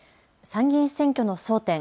参議院選挙の争点。